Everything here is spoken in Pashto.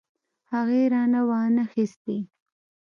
هغې رانه وانه خيستې.